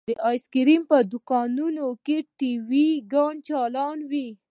د ايسکريم په دوکانونو کښې ټي وي ګانې چالانې وې.